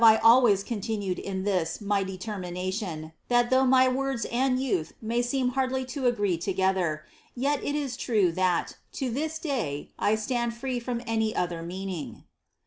But ao oooaiaiit hBf«4 always oontinued in this my determination, that thou^ my woida and jnA may seem hardly to agree together, yet it ia true that, to this day, I stand Am (torn any other meaning."